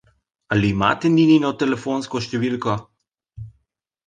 Ali imate Ninino telefonsko številko?